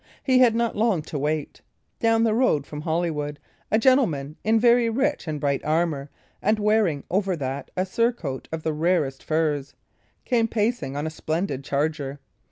He had not long to wait. Down the road from Holywood a gentleman in very rich and bright armour, and wearing over that a surcoat of the rarest furs, came pacing on a splendid charger.